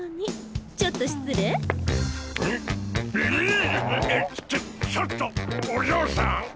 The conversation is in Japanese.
ちょちょっとお嬢さん。